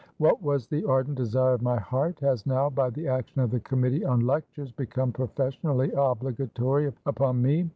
What was the ardent desire of my heart, has now by the action of the Committee on Lectures become professionally obligatory upon me.